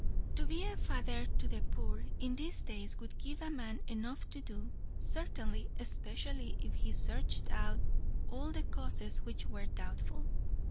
'" "To be a father to the poor, in these days, would give a man enough to do, certainly; especially if he searched out all the causes which were doubtful.